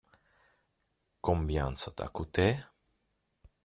Combien ça t'as coûté ?